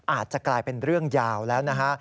อาจจะกลายเป็นเรื่องยาวแล้วนะฮะ